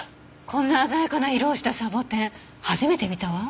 こんな鮮やかな色をしたサボテン初めて見たわ！